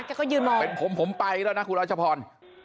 เราไปแต่นก้อนนะคุณระจพร